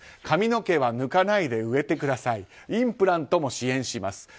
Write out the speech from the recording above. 髪の毛は抜かないで植えてくださいインプラントも支援します